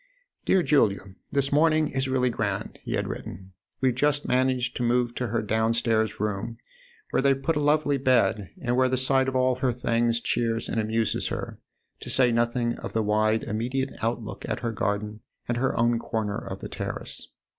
" Dear Julia, this morning, is really grand," he had written. " We've just managed to move to her downstairs room, where they've put up a lovely bed and where the sight of all her things cheers and amuses her, to say nothing of the wide immediate outlook at her garden and her own corner of the terrace.